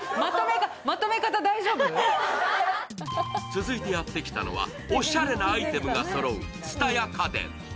続いてやってきたのは、おしゃれなアイテムがそろう蔦屋家電。